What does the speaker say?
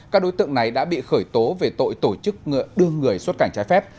các đối tượng này đã bị khởi tố về tội tổ chức đưa người xuất cảnh trái phép